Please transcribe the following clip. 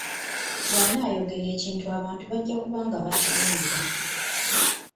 Bw’anaayogera ekintu abantu bajja kuba nga bakiwulira.